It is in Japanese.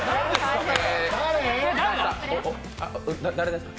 誰ですか？